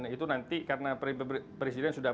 nah itu nanti karena presiden sudah